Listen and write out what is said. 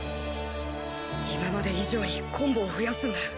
今まで以上にコンボを増やすんだ。